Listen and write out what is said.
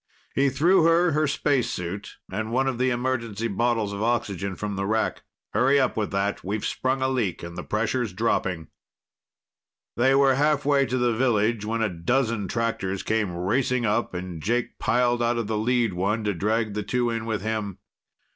He threw her her spacesuit and one of the emergency bottles of oxygen from the rack. "Hurry up with that. We've sprung a leak and the pressure's dropping." They were halfway to the village when a dozen tractors came racing up and Jake piled out of the lead one to drag the two in with him.